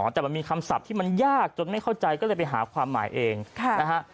แต่มันมีคำศัพท์ที่มันยากจนไม่เข้าใจก็เลยไปหาความหมายเองนะฮะ